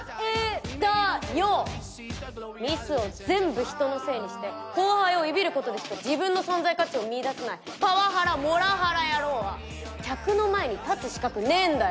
ミスを全部人のせいにして後輩をいびることでしか自分の存在価値を見いだせないパワハラモラハラ野郎は客の前に立つ資格ねえんだよ。